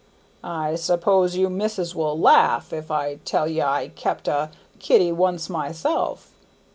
"I s'pose you misses will laugh if I tell ye I kept a kitty once myself."